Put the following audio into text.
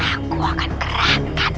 aku akan kerahkan